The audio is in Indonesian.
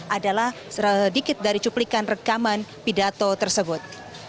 adalah sedikit dari cuplikan rekaman pidato tersebut